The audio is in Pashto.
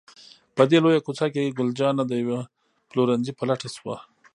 په دې لویه کوڅه کې، ګل جانه د یوه پلورنځي په لټه شوه.